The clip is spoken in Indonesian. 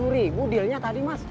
ribu dealnya tadi mas